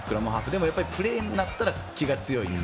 でもプレーになったら気が強い。